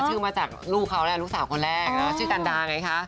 ชื่อมาจากลูกเขาแหละลูกสาวคนแรกนะชื่อกันดาไงคะ